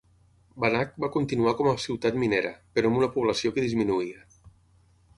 Bannack va continuar com a ciutat minera, però amb una població que disminuïa.